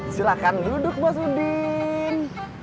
silahkan duduk bos udin